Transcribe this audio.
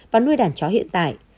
và nuôi đàn chó hiện tại